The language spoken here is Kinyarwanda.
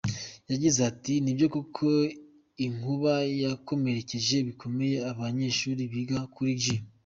Yagize ati “Ni byo koko inkuba yakomerekeje bikomeye abanyeshuri biga kuri G.